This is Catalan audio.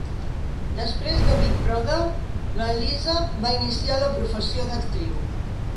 Després de Big Brother, la Lisa va iniciar la professió d'actriu.